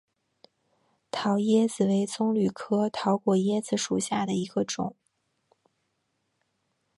桃椰子为棕榈科桃果椰子属下的一个种。